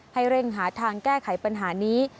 ให้เร่งหาทางแก้ไขปัญหานี้